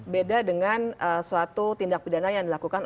beda dengan suatu tindak pidana yang dilakukan